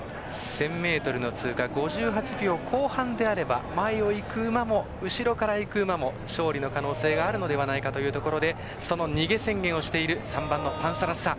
１０００ｍの通過５８秒後半であれば前を行く馬も、後ろを行く馬も勝利の可能性があるのではないかというところでその逃げ宣言をしている３番、パンサラッサ。